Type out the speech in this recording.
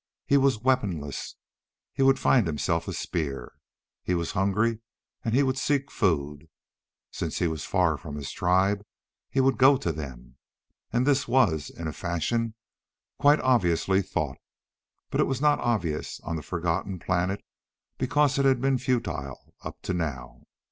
He was weaponless: he would find himself a spear. He was hungry and he would seek food. Since he was far from his tribe, he would go to them. And this was, in a fashion, quite obviously thought; but it was not oblivious on the forgotten planet because it had been futile up to now.